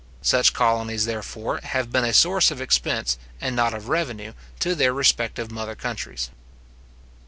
Such colonies, therefore, have been a source of expense, and not of revenue, to their respective mother countries.